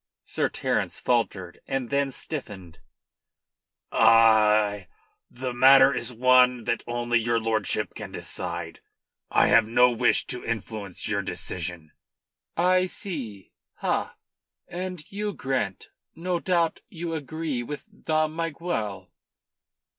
Sir Terence faltered; then stiffened. "I The matter is one that only your lordship can decide. I have no wish to influence your decision." "I see. Ha! And you, Grant? No doubt you agree with Dom Miguel?"